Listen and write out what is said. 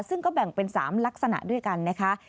ซึ่งก็แบ่งเป็น๓ลักษณะด้วยกันนะคะ